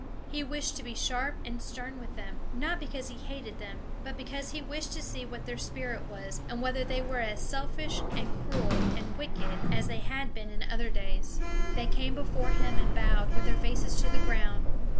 He wished to be sharp and stern with them, not because he hated them; but because he wished to see what their spirit was, and whether they were as selfish, and cruel, and wicked as they had been in other days. They came before him, and bowed, with their faces to the ground.